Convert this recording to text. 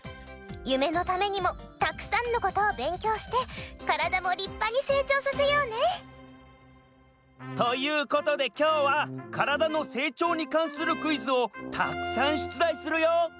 ゆめのためにもたくさんのことをべんきょうしてカラダもりっぱに成長させようね。ということできょうはカラダの成長にかんするクイズをたくさんしゅつだいするよ！